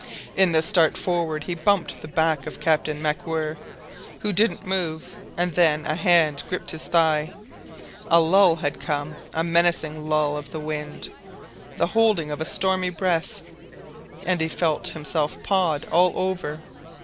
In the start forward he bumped the back of Captain MacWhirr, who didn't move; and then a hand gripped his thigh. A lull had come, a menacing lull of the wind, the holding of a stormy breath and he felt himself pawed all over.